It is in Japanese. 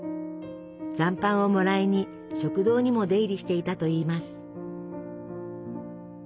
残飯をもらいに食堂にも出入りしていたといいます。